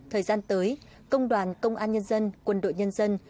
thời gian tới công đoàn công an nhân dân quân đội nhân dân